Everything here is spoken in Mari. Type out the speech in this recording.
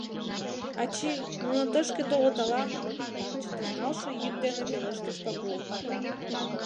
— Ачий, нуно тышке толыт ала-мо? — чытырналтше йӱк дене пелештыш Пагул.